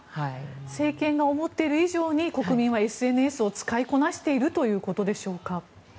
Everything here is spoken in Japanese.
政権が思っている以上に国民はＳＮＳを使いこなしているということでしょうか？